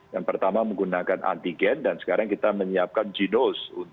yang pertama menggunakan antigen dan sekarang kita menyiapkan genos